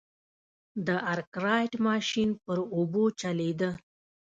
د ارکرایټ ماشین پر اوبو چلېده.